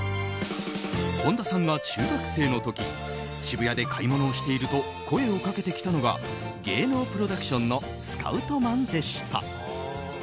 本田さんが中学生の時渋谷で買い物をしていると声をかけてきたのが芸能プロダクションのスカウトマンでした。